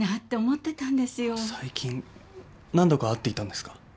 何度か会っていたんですか？